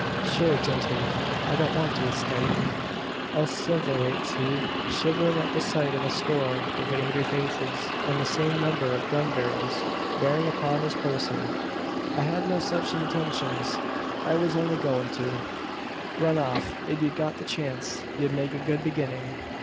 "Shure, gintlemen, I don't want to escyape," asseverates he, shivering at the sight of a score of angry faces, and the same number of gun barrels bearing upon his person; "I had no such intinshuns. I was only goin' to " "Run off, if ye'd got the chance. Ye'd made a good beginning.